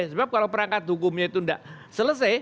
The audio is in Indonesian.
sebab kalau perangkat hukumnya itu tidak selesai